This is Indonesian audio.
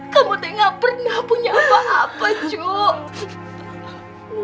kamu teh gak pernah punya apa apa cuu